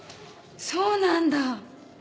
そうなんだ！